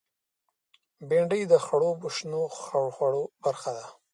بېنډۍ د خړوبو شنو خوړو برخه ده